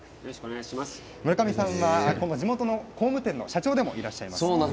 村上さんは地元の工務店の社長でもいらっしゃいます。